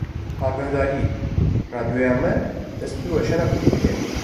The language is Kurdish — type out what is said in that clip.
Agahdarî! Radyoya me dest bi weşana Kurdî dike